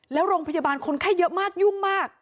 แล้วโรงพยาบาลคนไข้เยอะมากยุ่งมาก